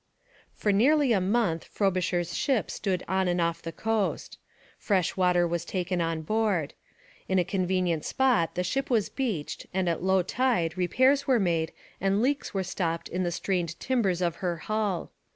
For nearly a month Frobisher's ship stood on and off the coast. Fresh water was taken on board. In a convenient spot the ship was beached and at low tide repairs were made and leaks were stopped in the strained timbers of her hull.